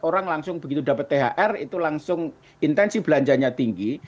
orang langsung begitu dapat thr itu langsung intensi belanjanya tinggi